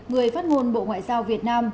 người phát ngôn bộ ngoại giao việt nam